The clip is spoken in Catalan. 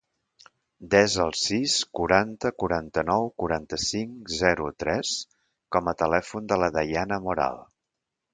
Desa el sis, quaranta, quaranta-nou, quaranta-cinc, zero, tres com a telèfon de la Dayana Moral.